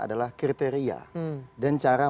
adalah kriteria dan cara